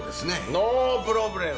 ノープロブレム！